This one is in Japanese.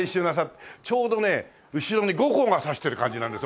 ちょうどね後ろに後光が差してる感じなんです。